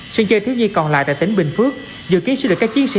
sân chơi thiếu nhi còn lại tại tỉnh bình phước dự kiến sẽ được các chiến sĩ